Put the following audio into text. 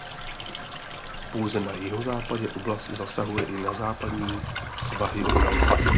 Pouze na jihozápadě oblast zasahuje i na západní svahy Uralu.